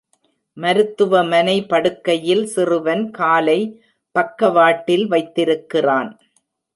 மருத்துவமனை படுக்கையில் சிறுவன் காலை பக்கவாட்டில் வைத்திருக்கிறான்.